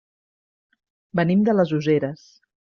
Venim de les Useres.